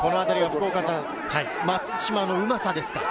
松島のうまさですか。